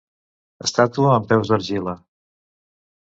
Estàtua amb peus d'argila.